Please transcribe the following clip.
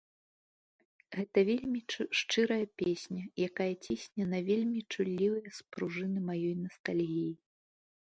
Гэта вельмі шчырая песня, якая цісне на вельмі чуллівыя спружыны маёй настальгіі.